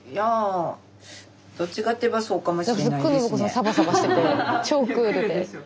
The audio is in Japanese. サバサバしてて超クールで。